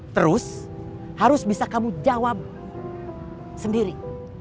terus harus bisa kamu jawab sendiri